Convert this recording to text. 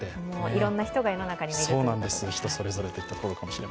いろんな人が世の中にいるということで。